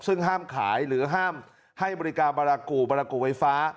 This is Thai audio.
ซึ่งห้ามขายหรือห้ามให้บริการบารากูบารากูไฟฟ้า